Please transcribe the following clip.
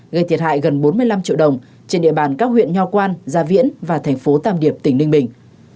gây thiệt hại gần bốn mươi năm triệu đồng trên địa bàn các huyện nho quan gia viễn và thành phố tàm điệp tỉnh ninh bình